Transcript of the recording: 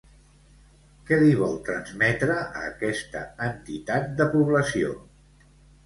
Què li vol transmetre a aquesta entitat de població?